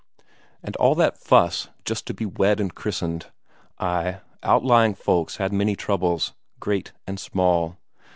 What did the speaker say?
And all that fuss just to be wed and christened. Ay, outlying folks had many troubles, great and small.